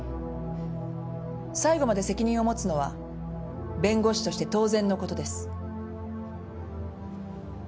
最後まで責任を持つのは弁護士として当然のことです。